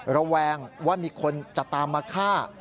ระแวงว่ามีคนจะตามมาฆ่า